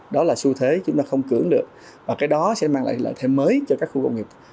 đó là xu thế chúng ta không cưỡng được và cái đó sẽ mang lại lợi thêm mới cho các khu công nghiệp